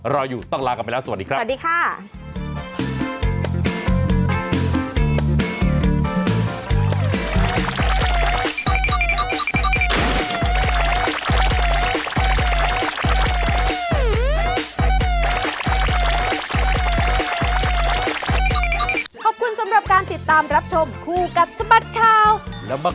รออยู่ต้องลากลับไปแล้วสวัสดีครับ